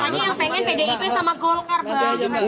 soalnya yang pengen pdip sama golkar bang